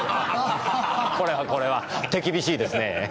これはこれは手厳しいですねぇ。